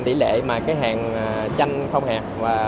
địa lệ mà cái hàng chanh không hẹp